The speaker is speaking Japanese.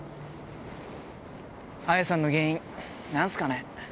綾さんの原因何すかね？